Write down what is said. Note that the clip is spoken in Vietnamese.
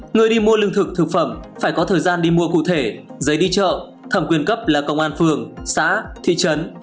người đi mua lương thực thực phẩm phải có thời gian đi mua cụ thể giấy đi chợ thẩm quyền cấp là công an phường xã thị trấn